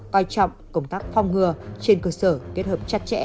coi trọng công tác phong ngừa trên cơ sở kết hợp chặt chẽ